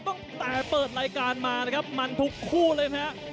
ตั้งแต่เปิดรายการมานะครับมันทุกคู่เลยนะฮะ